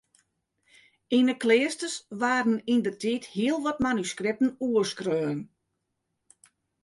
Yn 'e kleasters waarden yndertiid hiel wat manuskripten oerskreaun.